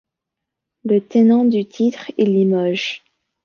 Le tenant du titre est Limoges.